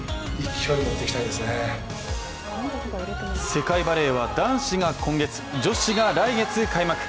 世界バレーは男子が今月、女子が来月開幕。